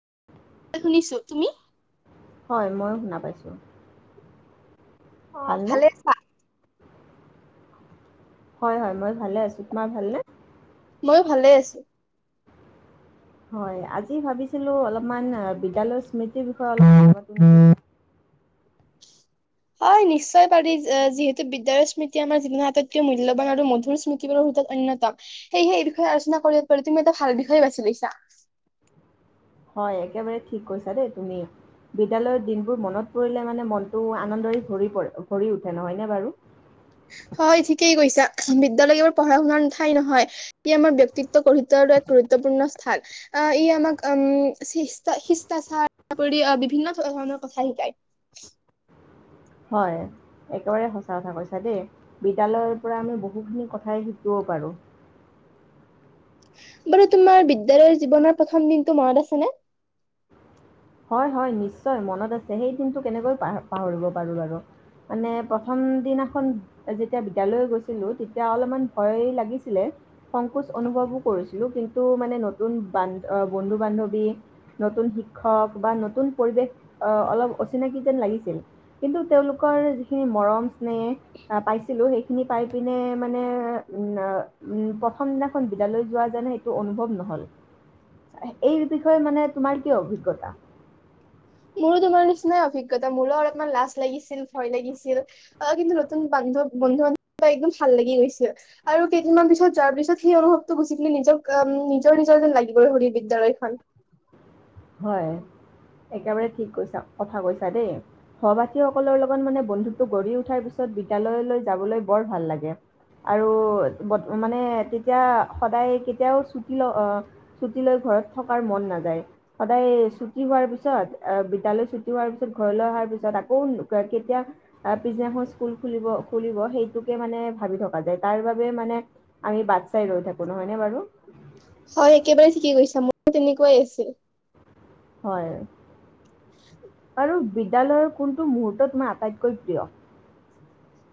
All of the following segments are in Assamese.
[inaudible] শুনিছো, তুমি? হয়, মইয়ো শুনা পাইছোঁ। অ, ভালনে? ভালে আছা? হয়, হয়, মই ভালে আছো, তোমাৰ ভালনে? ময়ো ভালে আছো। হয়, আজি ভাবিছিলো, অলপমান বিদ্যালয়ৰ স্মৃতিৰ বিষয়ে অলপ হয়, নিশ্চয় পাৰি, যিহেতু বিদ্যালয়ৰ স্মৃতি আমাৰ জীৱনৰ আটাইতকৈ মূল্যবান, আৰু মধুৰ স্মৃতিবোৰৰ ভিতৰত অন্যতম, সেয়েহে এই বিষয়ে আলোচনা কৰিব পাৰি। তুমি এটা ভাল বিষয়ে বাছি লৈছা। হয়, একেবাৰে ঠিক কৈছা দেই তুমি, বিদ্যালয়ৰ দিনবোৰ মনত পৰিলে, মানে মনটো আনন্দৰে ভৰি পৰে, ভৰি উঠে নহয়নে বাৰু। হয়, ঠিকেই কৈছা। বিদ্যালয়ৰ কেৱল পঢ়া শুনাৰ ঠাই নহয়, ই আমাৰ ব্যক্তিত্ব গঢ়ি তোলাৰ এক গুৰুত্বপূৰ্ণ স্থান। আহ, ই আমাক উম, শিষ্টাচাৰ, আহ, বিভিন্ন ধৰণৰ কথা শিকায়। হয়, একেবাৰে সঁচা কথা কৈছা দেই, বিদ্যালয়ৰ পৰা আমি বহুখিনি কথা শিকিবও পাৰো। বাৰু তোমাৰ বিদ্যালয়ৰ জীৱনৰ প্ৰথম দিনটো, মনত আছেনে? হয়, হয়, নিশ্চয় মনত আছে। সেই দিনটো কেনেকৈ পাহৰিব পাৰো, বাৰু মানে প্ৰথম দিনাখন যেতিয়া বিদ্যালয় গৈছিলো, তেতিয়া অলপমান ভয় লাগিছিলে, সংকোচ অনুভৱো কৰিছিলো, কিন্তু মানে নতুন বান, বন্ধু, বান্ধৱী নতুন শিক্ষক হওক বা নতুন পৰিৱেশ আহ, অলপ অচিনাকি যেন লাগিছিল। কিন্তু তেওঁলোকৰ যিখিনি মৰম, স্নেহ পাইছিলো, সেইখিনি পাই পিনে মানে উ, উম, প্ৰথম দিনাখন বিদ্যালয় যোৱা যেন, সেইটো অনুভৱ নহল, এই বিষয়ে মানে তোমাৰ কি অভিজ্ঞতা? আ মোৰো তোমাৰ নিচিনাই অভিজ্ঞতা। মোৰো অলপমান লাজ লাগিছিল, ভয় লাগিছিল, আহ, কিন্তু নতুন বান্ধৱ, বন্ধু, বান্ধৱ বা একদম ভাল লাগি গৈছিল, আৰু কেইদিনমান পিছত যোৱাৰ পিছত, সেই অনুভৱটো গুচি গ'লি, নিজৰ, নিজৰ নিজৰ, যেন লাগি গ'ল বিদ্যালয়খন। হয় একেবাৰে ঠিক কৈছা, কথা কৈছা দেই, সহপাঠীসকলৰ লগত মানে বন্ধুটো, গঢ়ি উঠাৰ পিছত, বিদ্যালয় যাবলৈ বৰ ভাল লাগে, আৰু মানে তেতিয়া সদায় কেতিয়াও ছুটি, ছুটি লৈ ঘৰত থকাৰ মন নাযায়। সদায় ছুটি হোৱাৰ পিছত, বিদ্যালয় ছুটি হোৱাৰ পিছত, ঘৰলৈ অহাৰ পিছত, আকৌ কেতিয়া পিছদিনা খন স্কুল খুলিব, খুলিব, সেইটোকে মানে ভাবি থকা যায়, তাৰ বাবে মানে আমি বাট চাই ৰৈ থাকো, নহয়নে বাৰু। হয়, একেবাৰে ঠিকে কৈছা মোৰ তেনেকুৱাই আছিল। হয়। আৰু বিদ্যালয়ৰ কোনটো মূহুৰ্ত তোমাৰ আটাইতকৈ প্ৰিয়।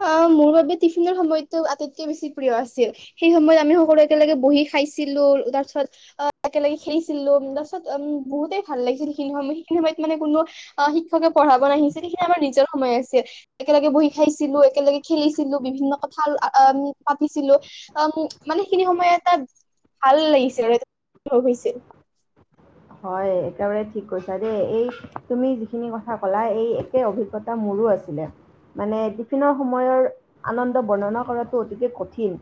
অ' মোৰ বাবে টিফিনৰ সময়টো আটাইতকে বেছি প্ৰিয় আছিল সেই সময়ত আমি সকলোৱে একেলগে বহি খাইছিলো। তাৰপিছত একেলগে খেলিছিলো তাৰপিছত উম বহুতেই ভাল লাগিছিল সেইখিনি সময় সেইখিনি সময়ত মানে কোনো অ' শিক্ষকে পঢ়াব নাহিছিল, সেইখিনি আমাৰ নিজৰ সময় আছিল একেলগে বহি খাইছিল। যিবোৰ একেলগে খেলিছিলো বিভিন্ন কথা আমি পাতিছিলো আহ মানে সেইখিনি সময় এটা ভাল লাগিছিল আৰু অনুভৱ হৈছিল। হয়, একেবাৰে ঠিক কৈছা দেই, এই তুমি যিখিনি কথা ক'লা এই একে অভিজ্ঞতা মোৰো আছিলে মানে টিফিনৰ সময়ৰ আনন্দ বৰ্ণনা কৰাতটো অতিকে কঠিন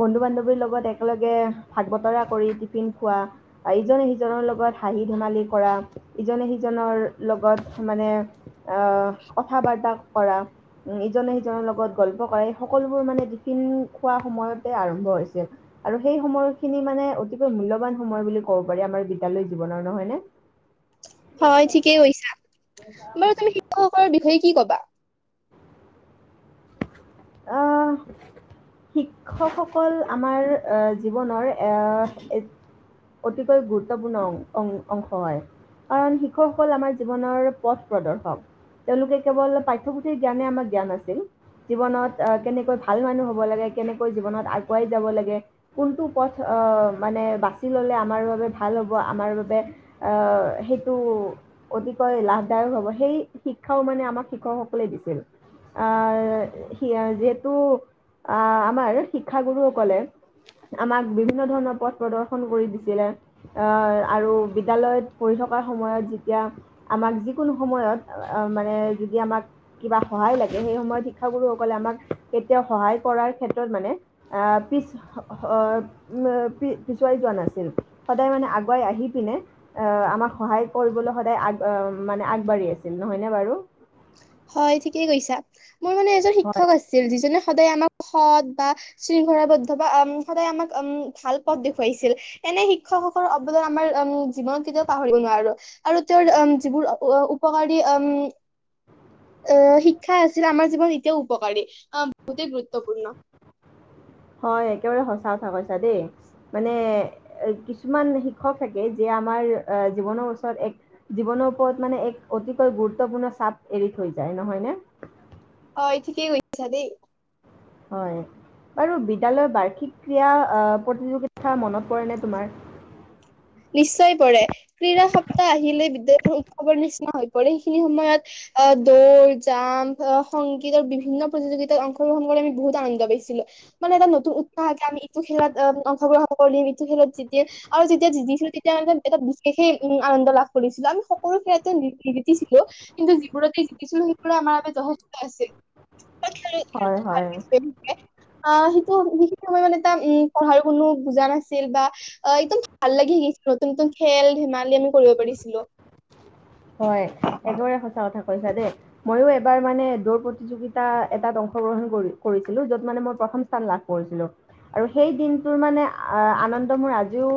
বন্ধু-বান্ধৱীৰ লগত একেলগে ভাগ- বতৰা কৰি টিফিন খোৱা বা ইজনে সিজনৰ লগত। হাঁহি-ধেমালি কৰা ইজনে সিজনৰ লগত মানে কথা- বাৰ্তা কৰা, ইজনে সিজনৰ লগত গল্প কৰা এই সকলোবোৰ মানে টিফিন খোৱা সময়তে আৰম্ভ হৈছে আৰু সেই সময়খিনি মানে অতিকৈ মূল্যবান সময় বুলি ক'ব পাৰি আমাৰ বিদ্যালয়। জীৱনৰ নহয় নে। হয়, ঠিকেই কৈছা বাৰু তুমি শিক্ষকসকলৰ বিষয়ে। কি ক'বা। আহ শিক্ষকসকল আমাৰ এ জীৱনৰ এ অতিকৈ গুৰুত্বপূৰ্ণ অংশ হয়, কাৰণ শিক্ষকসকল আমাৰ জীৱনৰ পথ প্ৰদৰ্শক। তেওঁলোকে কেৱল পাঠ্যপুথিৰ জ্ঞানে আমাক জ্ঞান নাছিল জীৱনত। আহ কেনেকৈ ভাল মানুহ হ'ব লাগে, কেনেকৈ জীৱনত আগুৱাই যাব লাগে, কোনটো পথ আহ মানে বাচি ললে আমাৰ বাবে ভাল হ'ব আমাৰ বাবে আহ সেইটো অতিকৈ লাভদায়ক হ'ব সেই। শিক্ষাও মানে আমাক শিক্ষকসকলে দিছিল আ'-। যিহেতু আহ আমাৰ শিক্ষাগুৰুসকলে। আমাক বিভিন্ন ধৰণৰ পথ প্ৰদৰ্শন কৰি দিছিলে আৰু বিদ্যালয়ত পঢ়ি থকাৰ সময়ত যেতিয়া। আমাক যিকোনো সময়ত মানে যদি আমাক কিবা সহায় লাগে সেই সময়ত শিক্ষাগুৰু। লে আমাক কেতিয়াও সহায় কৰাৰ ক্ষেত্ৰত মানে আহ পিছ উ পিছুৱাই যোৱা নাছিল সদায় মানে আগুৱাই আহি পিনে। আহ আমাক সহায় কৰিবলৈ সদায় আগ মানে আগ। বাঢ়ি আছিল নহয়নে বাৰু। হয় ঠিকেই কৈছা। মোৰ মানে এজন শিক্ষক আছিল যিজনে। সদায় আমাক সৎ বা শৃংখলাবদ্ধ বা সদায় আমাক উম ভাল পদ দেখুৱাইছিল। এনে শিক্ষকসকলৰ অৱদান আমাৰ উম জীৱনত কেতিয়াও পাহৰিব নোৱাৰো আৰু তেওঁৰ উম যিবোৰ উপকাৰী উম'। অহ শিক্ষা আছিল আমাৰ জীৱন এতিয়াও উপকাৰী বহুতেই গুৰুত্বপূৰ্ণ। হয়, একেবাৰে সঁচা কথা কৈছা দেই মানে কিছুমান শিক্ষক থাকে যে আমাৰ জীৱনৰ ওচৰত এক জীৱনৰ ওপৰত মানে এক অতিকৈ গুৰুত্বপূৰ্ণ চাপ এৰি থৈ যায় নহয় নে। অ' ঠিকেই কৈছা দেই। হয় বাৰু বিদ্যালয় বাৰ্ষিক ক্ৰিয়া প্ৰতিযোগিতা মনত পৰেনে তোমাৰ। নিশ্চয় পৰে ক্ৰীড়া সপ্তাহ আহিলে বিদ্যালয় উৎসৱৰ নিশ্চয়। হৈ পৰে সেইখিনি সময়ত আহ দৌৰ জাম্প, সংগীত আৰু বিভিন্ন প্ৰতিযোগিতাত অংশগ্ৰহণ কৰি আমি বহুত আনন্দ পাইছিলো মানে এটা নতুন উৎসাহে আমি ইটো খেলত অংশগ্ৰহণ কৰিম ইটো খেলত জিকিম আৰু যেতিয়া। তেতিয়া মানে এটা বিশেষে উম আনন্দ লাভ কৰিছিলো। আমি সকলো খেলতে জিকিছিলো, কিন্তু যিবোৰতে জিকিছিলো সেইবোৰে আমাৰ বাবে যথেষ্ট আছিল। হয়, হয়। অ সেইটো সেইখিনি সময় মানে ত উম পঢ়াৰ কোনো বুজা নাছিল বা অ একদম ভাল লাগি গেচি নতুন-নতুন খেল ধেমালি আমি কৰিব পাৰিছিলো। হয়, একদৰে সঁচা কথা কৈছা দেই। ময়ো এবাৰ মানে দৌৰ প্ৰতিযোগিতা এটাত অংশগ্ৰহণ কৰি কৰিছিলো, যত মানে মই প্ৰথম স্থান লাভ কৰিছিলো আৰু সেই দিনটোৰ মানে আনন্দ মোৰ আজিও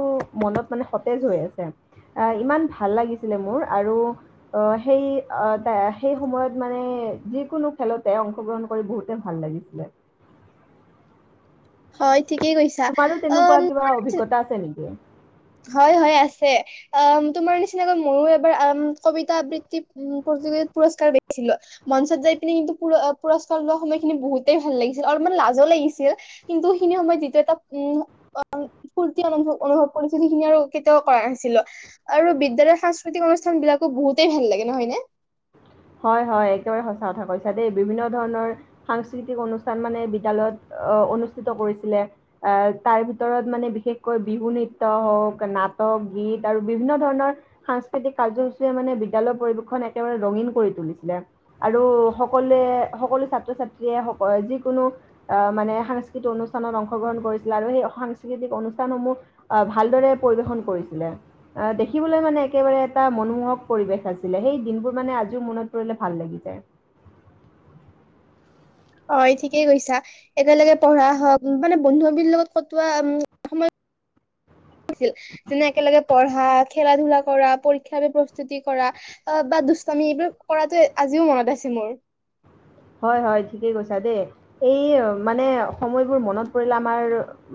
মনত মানে সতেজ হৈ আছে। আহ ইমান ভাল লাগিছিলে মোৰ আৰু অ সেই সেই সময়ত মানে যিকোনো খেলতে অংশগ্ৰহণ কৰি বহুতে ভাল লাগিছিল। হয়। ঠিকেই কৈছা তোমাৰো তেনেকুৱা অম কিবা অভিজ্ঞতা আছে নেকি? হয়, হয় আছে। অ তোমাৰ নিচিনাকৈ মইয়ো এবাৰ কবিতা আবৃত্তি উ প্ৰতিযোগিতাত পুৰস্কাৰ পাই। মঞ্চত যাই পিনে কিন্তু পুৰ ও পুৰস্কাৰ লোৱা সময়খিনি বহুতেই ভাল লাগিছিল আৰু মানে লাজো লাগিছিল। কিন্তু সেইখিনি সময়ত যিটো এটা উ ফূৰ্তি অনুভৱ অনুভৱ পৰিস্থিতি খিনি আৰু কেতিয়াও কৰা নাছিলো আৰু বিদ্যালয়ৰ সাংস্কৃতিক অনুষ্ঠান বিলাকো বহুতেই ভাল লাগে, নহয় নে? হয়, হয়। একেবাৰে সচাঁ কথা কৈছা দেই। বিভিন্ন ধৰণৰ সাংস্কৃতিক অনুষ্ঠান মানে বিদ্যালয়ত অ অনুষ্ঠিত কৰিছিলে। এ তাৰ ভিতৰত মানে বিশেষকৈ বিহু নৃত্য হওক, নাটক, গীত আৰু বিভিন্ন ধৰণৰ সাংস্কৃতিক কাৰ্যসূচীৰে মানে বিদ্যালয় পৰিৱেশ খন একেবাৰে ৰঙীন কৰি তুলিছিলে আৰু সকলোৱে সকলো ছাত্ৰ-ছাত্ৰীয়ে স যিকোনো অ মানে সাংস্কৃতিক অনুষ্ঠানত অংশগ্ৰহণ কৰিছিলে আৰু সেই সাংস্কৃতিক অনুষ্ঠানসমূহ আহ ভালদৰে পৰিৱেশন কৰিছিলে। আ দেখিবলৈ মানে একেবাৰে এটা মনোমোহক পৰিৱেশ আছিলে। সেই দিনবোৰ মানে আজ এতিয়াও মনত পৰিলে ভাল লাগি যায়। হয় ঠিকেই কৈছা। একেলগে পঢ়া হওক মানে বন্ধু-বান্ধৱী লগত কটোৱা উ সময় আছিল। যেনে একেলগে পঢ়া, খেলা-ধূলা কৰা, পৰীক্ষালৈ প্ৰস্তুতি কৰা অ বা দুস্তামী এইবোৰ কৰাটো আজিও মনত আছে মোৰ। হয়, হয় ঠিকেই কৈছা দেই। এই মানে সময়বোৰ মনত পৰিলে আমাৰ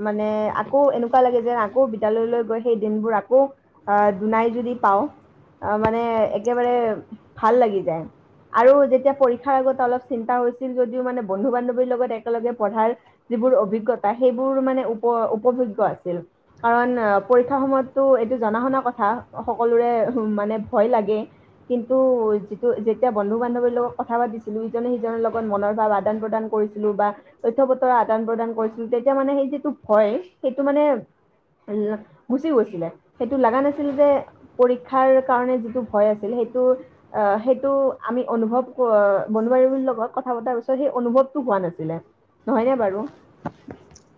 মানে আকৌ এনেকুৱা লাগে যেন আকৌ বিদ্যালয়লৈ গৈ সেই দিনবোৰ আকৌ আ দুনাই যদি পাওঁ, অ মানে একেবাৰে ভাল লাগি যায়। আৰু যেতিয়া পৰীক্ষাৰ আগত অলপ চিন্তা হৈছিল যদিও মানে বন্ধু-বান্ধৱীৰ লগত একেলগে পঢ়াৰ যিবোৰ অভিজ্ঞতা, সেইবোৰ মানে উপ উপভোগ্য আছিল। কাৰণ পৰীক্ষাৰ সময়তটো এইটো জনা শুনা কথা। সকলোৰে মানে ভয় লাগে কিন্তু যিটো যেতিয়া বন্ধু-বান্ধৱীৰ লগত কথা পাতিছিলো ইজনে সিজনৰ লগত মনৰ ভাৱ আদান-প্ৰদান কৰিছিলো বা তথ্য পত্ৰ আদান-প্ৰদান কৰিছিলো। তেতিয়া মানে সেই যিটো ভয় সেইটো মানে গুচি গৈছিলে। সেইটো লাগা নাছিল যে পৰীক্ষাৰ কাৰণে যিটো ভয় আছিল, সেইটো আহ সেইটো আমি অনুভৱ কৰ অ বন্ধু বান্ধৱীৰ লগত কথা পতাৰ পিছত সেই অনুভৱতটো হোৱা নাছিলে নহয়নে বাৰু?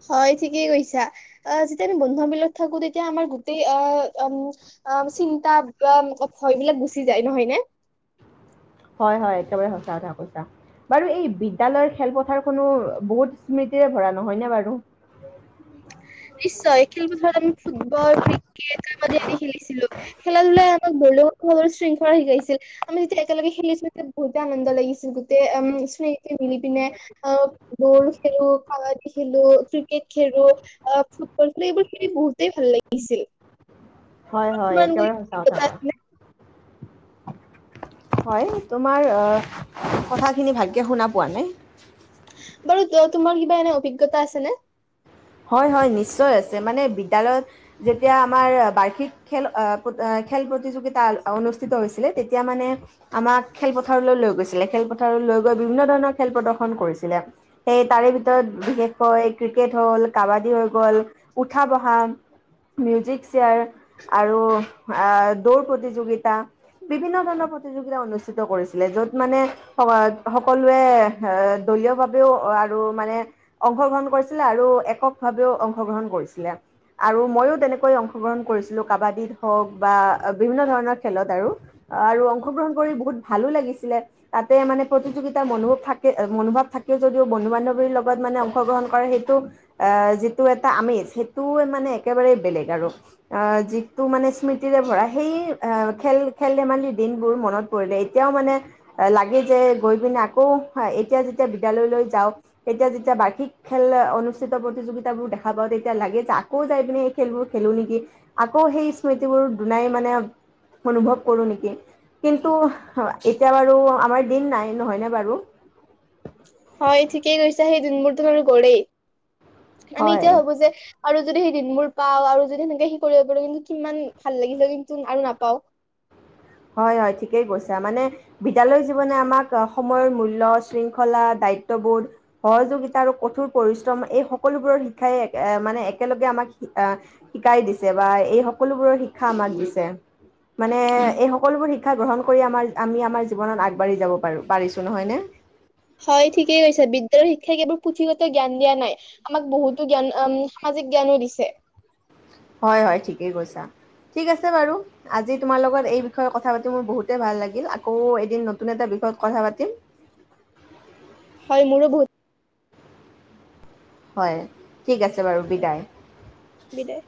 হয় ঠিকেই কৈছা। আ যেতিয়া আমি বন্ধু বিলত থাকো তেতিয়া আমাৰ গোটেই আহ ও আম চিন্তা বা ভয় বিলাক গুচি যায়। নহয় নে? হয়, হয়। একেবাৰে সঁচা কথা কৈছা। বাৰু এই বিদ্যালয়ৰ খেলপথাৰ খনো বহুত স্মৃতিৰে ভৰা, নহয়নে বাৰু? নিশ্চয় খেলপথাৰত আমি ফুটবল, ক্ৰিকেট, কাবাডী আদি খেলিছিলো। খেলা ধূলাই আমাক ব শৃংখলা শিকাইছিল। আমি যেতিয়া একেলগে খেলিছিলো যেতিয়া বহুতে আনন্দ লাগিছিল, গোতেই উম স্মৃ মিলিপিনে অ বল খেলো, কাবাডী খেলো, ক্ৰিকেট খেলো অ, ফুটবল ফে এইবোৰ খেলি বহুতেই ভাল লাগিছিল। হয়, হয়। তোমালোকৰ একেবাৰে সঁচা অভিজ্ঞতা কথা আছেনে? কৈ হয়। তোমাৰ কথাখিনি ভালকে শুনা পোৱা নাই। বাৰু তোমাৰ কিবা এনে অভিজ্ঞতা আছেনে? হয়, হয়। নিশ্চয় আছে, মানে বিদ্যালয়ত যেতিয়া আমাৰ বাৰ্ষিক খেল খেল প্ৰতিযোগিতা অনুষ্ঠিত হৈছিলে তেতিয়া মানে আমাক খেলপথাৰলৈ লৈ গৈছিলে। খেলপথাৰলৈ লৈ গৈ বিভিন্ন ধৰণৰ খেল প্ৰদৰ্শন কৰিছিলে। সেই তাৰে ভিতৰত বিশেষকৈ ক্ৰিকেট হ'ল কাবাডী হৈ গল, উঠা-বহা, মিউজিক চেয়াৰ আৰু আ দৌৰ প্ৰতিযোগিতা বিভিন্ন ধৰণৰ প্ৰতিযোগিতা অনুষ্ঠিত কৰিছিলে, য'ত মানে সকলোৱে অ দলীয়ভাৱেও আৰু মানে অংশগ্ৰহণ কৰিছিল আৰু এক এককভাৱেও অংশগ্ৰহণ কৰিছিলে আৰু ময়ো তেনেকৈ অংশগ্ৰহণ কৰিছিলো কাবাডিত হওঁক বা বিভিন্ন ধৰণৰ খেলত আৰু। আৰু অংশগ্ৰহণ কৰি বহুত ভালো লাগিছিলে। তাতে মানে প্ৰতিযোগিতাৰ মনোভ থাকে মনোভাৱ থাকে যদিও বন্ধু-বান্ধৱীৰ লগত মানে অংশগ্ৰহণ কৰে সেইটো আ যিটো এটা আমেজ সেইটো মানে একেবাৰেই বেলেগ আৰু। আহ যিটো মানে স্মৃতিৰে ভৰা সেই খেল, খেল ধেমালি দিনবোৰ মনত পৰিলে এতিয়াও মানে লাগে যে গৈ পিনে আকৌ এতিয়া যেতিয়া বিদ্যালয়লৈ যাওঁ, তেতিয়া যেতিয়া বাৰ্ষিক খে খেল অনুচ যোগিতা, প্ৰতিযোগিতাবোৰ দেখা পাওঁ তেতিয়া লাগে যে আকৌ যাই পিনে সেই খেলবোৰ খেলো নেকি। আকৌ সেই স্মৃতিবোৰ দুনাই মানে অনুভৱ কৰো নেকি? কিন্তু এতিয়া বা‌ৰু আমাৰ দিন নাই নহয়নে বাৰু? দিন [unintelligible] বাৰু গলেই। আমি হয় এতিয়াও ভাবো যে আৰু যদি সেই দিনবোৰ পাওঁ আৰু যদি সেনেকে সেই কৰিব পাৰো। কিন্তু কিমান ভাল লাগিল কিন্তু আৰু নাপাও। হয়, হয় ঠিকেই কৈছা। মানে বিদ্যালয় জীৱনে আমাক সময়ৰ মূল্য, শৃংখলা, দায়িত্ববোধ, সহযোগিতা আৰু কঠোৰ পৰিশ্ৰম এই সকলোবোৰৰ শিক্ষাই মানে একেলগে আমাক আহ শিকাই দিছে বা এই সকলোবোৰৰ শিক্ষা আমাক দিছে। মানে এই সক সকলোবোৰ শিক্ষা গ্ৰহণ কৰি আমাৰ আমি আমাৰ জীৱনত আগবাঢ়ি যাব পাৰো। পাৰিছো, নহয় নে? হয়, ঠিকেই কৈছে। বিদ্যালয়ৰ শিক্ষাই কেৱল পুথিগত জ্ঞান দিয়া নাই। আমাক বহুতো জ্ঞান আ সামাজিক জ্ঞানো দিছে। হয় হয় থিকে কৈছা থিক আছে বাৰু আজি তোমাৰ লগত এই বিষয়ে কথা পাতি মোৰ বহোতে লাগিল আকৌ এদিন নতুন এটা বিষয়ত কথা পাতিম হয় মোৰো বহুত হয় ঠিক আছে বাৰু বিদায় বিদায়